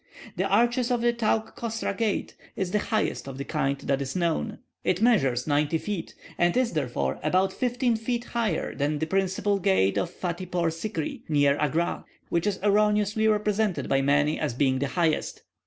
The arches of the Tauk kosra gate is the highest of the kind that is known; it measures ninety feet, and is therefore about fifteen feet higher than the principal gate at Fattipore Sikri, near Agra, which is erroneously represented by many as being the highest.